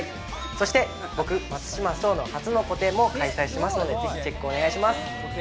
そして僕、松島聡の初の個展も開催しますので、ぜひチェックをお願いします。